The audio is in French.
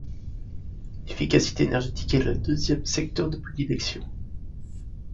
L’efficacité énergétique est le deuxième secteur de prédilection.